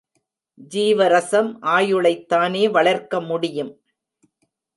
ஜீவரசம் ஆயுளைத்தானே வளர்க்க முடியும்.